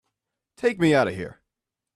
Take me out of here!